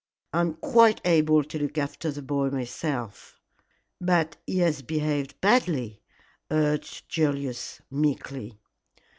"I am quite able to look after the boy myself." "But he has behaved badly," urged Julius, meekly.